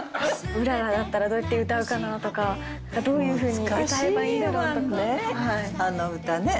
うららだったらどうやって歌うかなとか、どういうふうに歌えばい難しいわね。